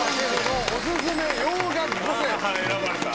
選ばれた。